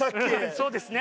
そうですね。